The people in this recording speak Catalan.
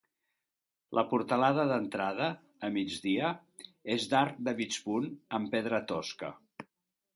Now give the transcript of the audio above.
La portalada d'entrada, a migdia, és d'arc de mig punt en pedra tosca.